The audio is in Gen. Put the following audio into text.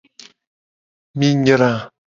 Mi nyra.